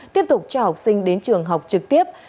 tiếp tục cho học sinh đến trường học trực tiếp